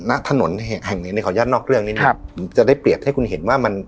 นะถนนแห่งในขวาย่านนอกเรื่องนี้ครับจะได้เปรียบให้คุณเห็นว่ามัน